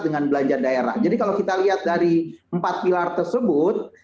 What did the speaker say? dengan belanja daerah jadi kalau kita lihat dari empat pilar tersebut